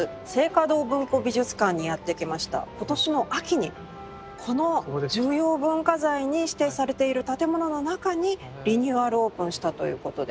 今年の秋にこの重要文化財に指定されている建物の中にリニューアルオープンしたということで。